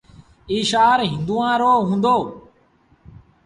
ايٚ شآهر هُݩدوآن رو هُݩدو۔